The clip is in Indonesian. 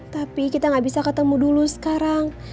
tapi kita gak bisa ketemu dulu sekarang